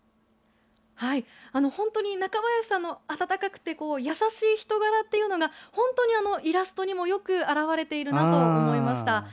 本当に中林さんの温かくて優しい人柄が本当にイラストにもよく表れているなと思いました。